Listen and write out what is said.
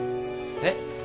えっ？